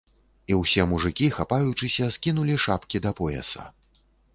І ўсе мужыкі, хапаючыся, скінулі шапкі да пояса.